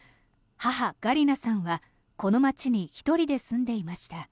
母・ガリナさんはこの街に１人で住んでいました。